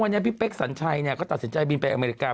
วันนี้พี่เป๊กสัญชัยก็ตัดสินใจบินไปอเมริกา